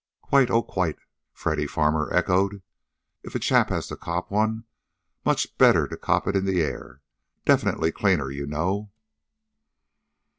"Quite, oh quite!" Freddy Farmer echoed. "If a chap has to cop one, much better to cop it in the air. Definitely cleaner, you know."